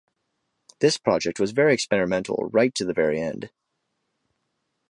This project was very experimental right to the very end.